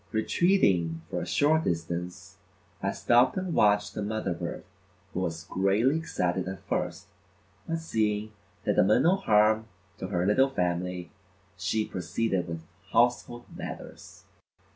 Retreating for a short distance, I stopped and watched the mother bird who was greatly excited at first, but seeing that I meant no harm to her little family, she proceeded with household matters.